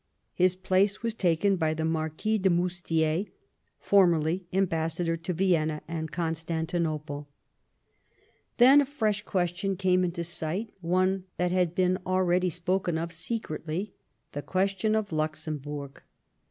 His place was taken by the Marquis de Moustier, formerly Ambassador to Vienna and Constantinople. 109 Bismarck Then a fresh question came into sight, one that has been aheady spoken of secretly — the question of Luxemburg.